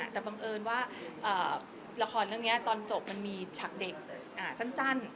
แต่บังเอิญว่าละครเรื่องนี้ตอนจบมันมีฉากเด็กสั้น